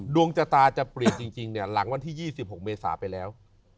ดวงชะตาจะเปลี่ยนจริงหลังวันที่๒๖เมษาไปแล้ว